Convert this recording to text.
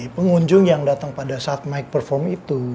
pengunjung yang datang pada saat mic perform itu